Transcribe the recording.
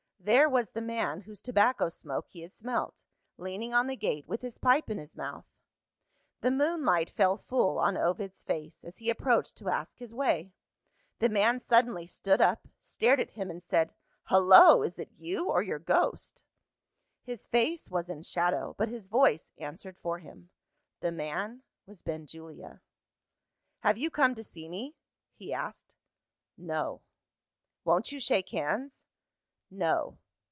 There was the man, whose tobacco smoke he had smelt, leaning on the gate, with his pipe in his mouth. The moonlight fell full on Ovid's face, as he approached to ask his way. The man suddenly stood up stared at him and said, "Hullo! is it you or your ghost?" His face was in shadow, but his voice answered for him. The man was Benjulia. "Have you come to see me?" he asked. "No." "Won't you shake hands?" "No."